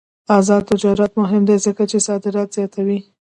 آزاد تجارت مهم دی ځکه چې صادرات زیاتوي.